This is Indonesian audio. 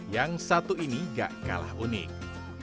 yang satu ini gak kalah unik